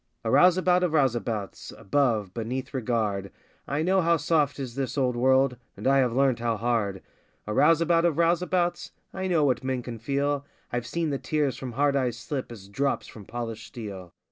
A rouseabout of rouseabouts, above beneath regard, I know how soft is this old world, and I have learnt how hard A rouseabout of rouseabouts I know what men can feel, I've seen the tears from hard eyes slip as drops from polished steel.